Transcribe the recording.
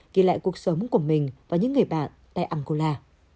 ghi lại cuộc sống của mình và những người bạn tại angola